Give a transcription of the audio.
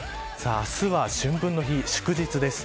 明日は春分の日、祝日です。